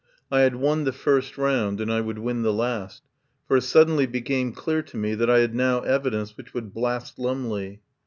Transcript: I had won the first round, and I would win the last, for it suddenly became clear to me that I had now evidence which would blast Lumley.